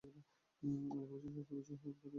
এলাকাবাসীর স্বাস্থ্যসেবার জন্য হাসপাতাল গড়ে তুলেন।